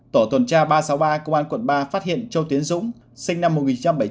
tổ tuần tra ba trăm sáu mươi ba công an quận ba phát hiện châu tiến dũng sinh năm một nghìn chín trăm bảy mươi chín